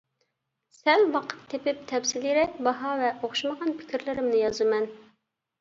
سەل ۋاقىت تېپىپ تەپسىلىيرەك باھا ۋە ئوخشىمىغان پىكىرلىرىمنى يازىمەن.